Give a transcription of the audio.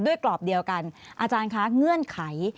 กรอบเดียวกันอาจารย์คะเงื่อนไข